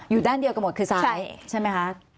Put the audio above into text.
อยู่ด้านเดียวกันหมดคือซ้ายใช่ไหมคะ